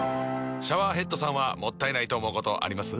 シャワーヘッドさんはもったいないと思うことあります？